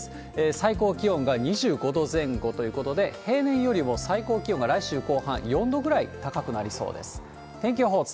最高気温が２５度前後ということで、平年よりも最高気温が来週後半、４度ぐらい高くなりそうです。